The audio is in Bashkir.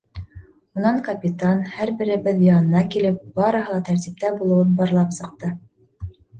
Унан капитан, һәр беребеҙ янына килеп, барыһы ла тәртиптә булыуын барлап сыҡты.